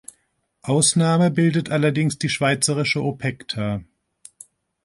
Ausnahme bildet allerdings die schweizerische Opekta.